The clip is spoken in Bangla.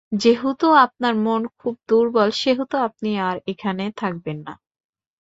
যেহেতু আপনার মন খুব দুর্বল সেহেতু আপনি আর এখানে থাকবেন না।